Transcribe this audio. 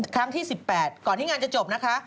ครั้งที่๑๘ก่อนที่งานจะจบนะคะ